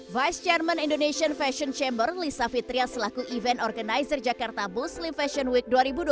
vice chairman indonesian fashion chamber lisa fitria selaku event organizer jakarta muslim fashion week